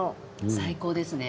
最高ですね。